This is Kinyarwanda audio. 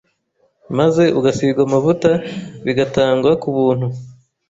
maze ugusigwa amavuta bigatangwa ku buntu